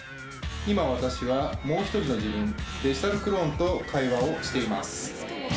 今、私はもう一人の自分、デジタルクローンと会話をしています。